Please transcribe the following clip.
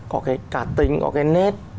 có cái cá tính có cái nét